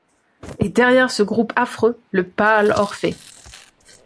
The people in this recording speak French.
Et derrière ce groupe affreux, le pâle Orphée !